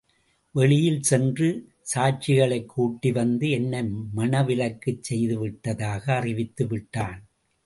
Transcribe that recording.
வெளியில் சென்று சாட்சிகளைக் கூட்டி வந்து, என்னை மணவிலக்குச் செய்து விட்டதாக அறிவித்து விட்டான்.